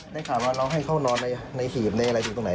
ได้ถามว่าน้องให้เข้านอนในขีบในอะไรที่ตรงไหน